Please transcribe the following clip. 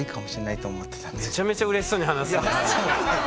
めちゃめちゃうれしそうに話すね。